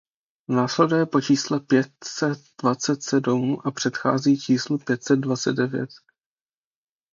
Následuje po čísle pět set dvacet sedm a předchází číslu pět set dvacet devět.